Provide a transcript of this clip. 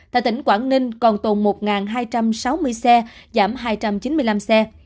tại tỉnh quảng ninh còn tồn một hai trăm sáu mươi xe giảm hai trăm chín mươi năm xe